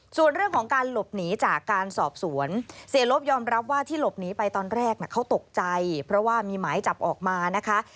ส่วนเรื่องของการหลบหนีจากการสอบสวนเสียลบยอมรับว่าที่หลบหนีไปตอนแรกเขาตกใจเพราะว่ามีหมายจับออกมานะคะ